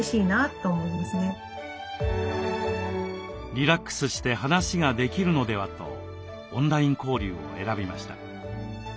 リラックスして話ができるのではとオンライン交流を選びました。